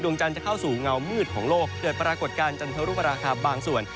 จันทร์จะเข้าสู่เงามืดของโลกเกิดปรากฏการณ์จันทรุปราคาบางส่วน